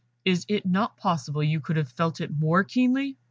It is not possible you could have felt it more keenly."